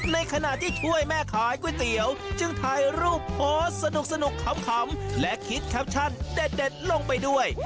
ในขณะที่ช่วยแม่ขายก๋วยเตี๋ยวจึงถ่ายรูปโพสต์สนุกขำและคิดแคปชั่นเด็ดลงไปด้วย